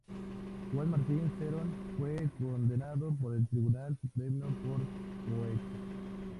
Juan Martín Serón fue condenado por el Tribunal Supremo por cohecho.